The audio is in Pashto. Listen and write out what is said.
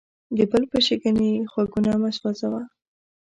د بل په شکنې غوږونه مه سوځه.